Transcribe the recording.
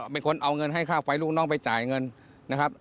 เป็นคนเอาเงินให้ค่าไฟลูกน้องไปจ่ายเงินนะครับ